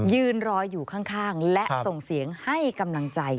ยืนรออยู่ข้างและส่งเสียงให้กำลังใจ